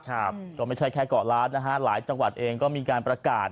ครับก็ไม่ใช่แค่เกาะล้านนะฮะหลายจังหวัดเองก็มีการประกาศ